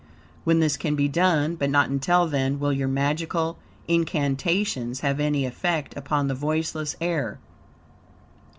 When this can be done, but not until then, will your magical incantations have any effect upon the voiceless air.